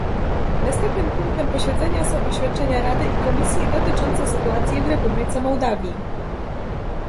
Następnym punktem posiedzenia są oświadczenia Rady i Komisji dotyczące sytuacji w Republice Mołdawii